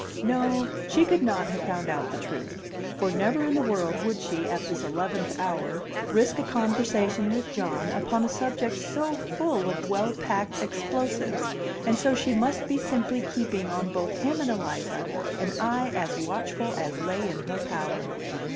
No, she could not have found out the truth; for never in the world would she, at this eleventh hour, risk a conversation with John upon a subject so full of well packed explosives; and so she must be simply keeping on both him and Eliza an eye as watchful as lay in her power.